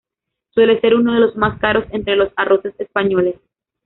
Suele ser uno de los más caros entre los arroces españoles.